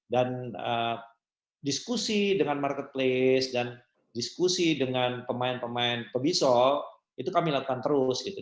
dan diskusi dengan marketplace dan diskusi dengan pemain pemain pebisok itu kami lakukan terus gitu